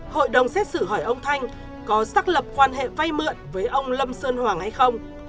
hội đồng xét xử hỏi ông thanh có xác lập quan hệ vay mượn với ông lâm sơn hoàng hay không